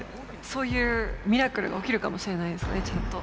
そういうミラクルが起きるかもしれないですねちゃんと。